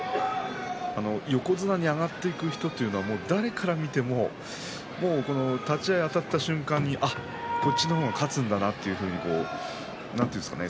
横綱に上がっていく人というのは誰から見ても立ち合い、あたった瞬間にあっ、こっちの方が勝つんだなというなんていうんでしょうか